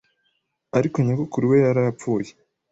ariko nyogokuru we yarayapfuye